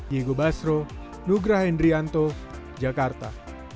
yego basro nugra hendrianto jakarta